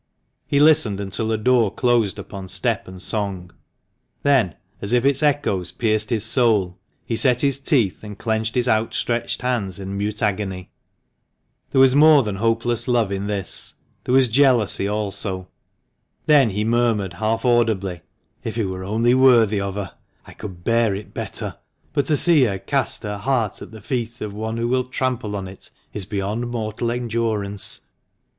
He listened until a door closed upon step and song. Then, as if its echoes pierced his soul he set his teeth and clenched his outstretched hands in mute agony. There was more than hopeless love in this — there was jealousy also. Then he murmured half audibly, "If he were only worthy of her I could bear it better; but to see her cast her heart at the feet of one who will trample on it, is beyond mortal endurance."